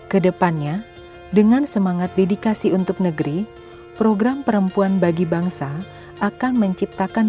kedepannya dengan semangat dedikasi untuk negeri program perempuan bagi bangsa akan menciptakan